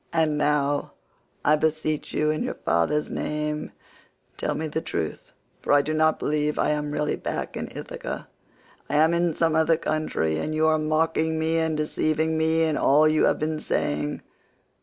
120 And now, I beseech you in your father's name, tell me the truth, for I do not believe I am really back in Ithaca. I am in some other country and you are mocking me and deceiving me in all you have been saying.